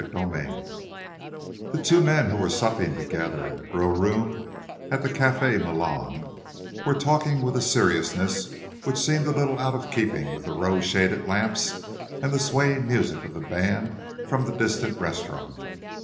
CHAPTER VII The two men who were supping together in the grillroom at the Cafe Milan were talking with a seriousness which seemed a little out of keeping with the rose shaded lamps and the swaying music of the band from the distant restaurant.